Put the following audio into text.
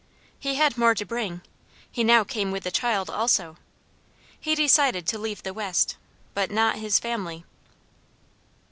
He had more to bring. He now came with a child also. He decided to leave the West, but not his family.